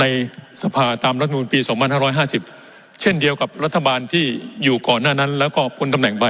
ในสภาตามรัฐมนูญปีสองพันห้าร้อยห้าสิบเช่นเดียวกับรัฐบาลที่อยู่ก่อนหน้านั้นแล้วก็ควรดำแหน่งใบ